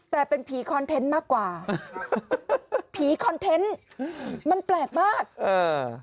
แต่เป็นผีคอนเทนต์มากกว่าผีคอนเทนต์อืมมันแปลกมากเออ